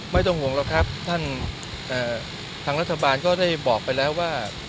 ไม่ต้องห่วงหรอกครับท่านทางรัฐบาลก็ได้บอกไปแล้วว่า